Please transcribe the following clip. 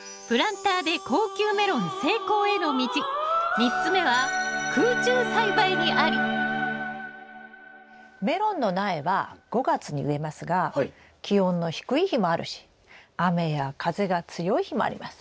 ３つ目は「空中栽培」にありメロンの苗は５月に植えますが気温の低い日もあるし雨や風が強い日もあります。